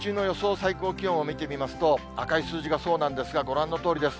最高気温を見てみますと、赤い数字がそうなんですが、ご覧のとおりです。